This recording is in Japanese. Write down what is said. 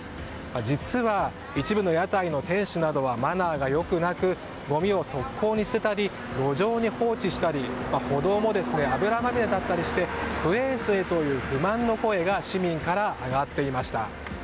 実は一部の屋台の店主などはマナーが良くなくごみを側溝に捨てたり路上に放置したり歩道も油まみれだったりして不衛生という不満の声が市民から上がっていました。